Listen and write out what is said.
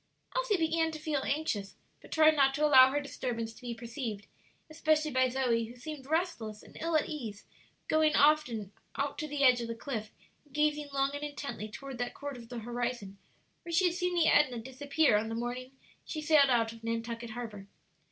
Elsie began to feel anxious, but tried not to allow her disturbance to be perceived, especially by Zoe, who seemed restless and ill at ease, going often out to the edge of the cliff and gazing long and intently toward that quarter of the horizon where she had seen the Edna disappear on the morning she sailed out of Nantucket harbor.